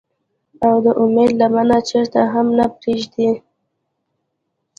او د اميد لمن چرته هم نۀ پريږدي ۔